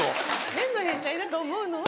麺の変態だと思うのは。